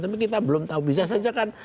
tapi kita belum tahu bisa saja kan